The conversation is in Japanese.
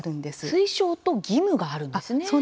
推奨と義務があるんですね。